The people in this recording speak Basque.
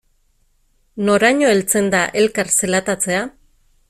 Noraino heltzen da elkar zelatatzea?